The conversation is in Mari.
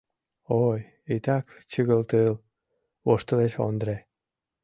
— Ой, итак чыгылтыл!.. — воштылеш Ондре.